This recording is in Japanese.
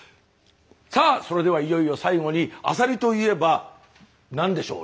さあそれではいよいよ最後にアサリといえば何でしょう？